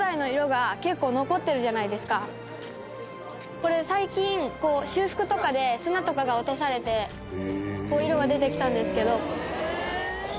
これ最近修復とかで砂とかが落とされて色が出てきたんですけど。